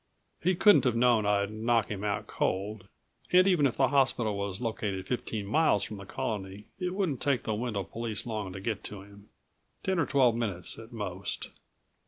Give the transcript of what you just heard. He couldn't have known I'd knock him out cold, and even if the hospital was located fifteen miles from the Colony it wouldn't take the Wendel police long to get to him. Ten or twelve minutes, at most.